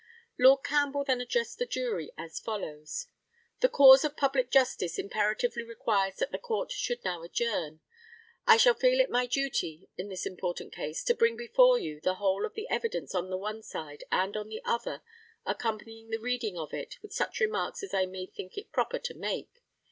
Lord Campbell then addressed the jury as follows: the cause of public justice imperatively requires that the court should now adjourn. I shall feel it my duty, in this important case, to bring before you the whole of the evidence on the one side and on the other, accompanying the reading of it with such remarks as I may think it proper to make.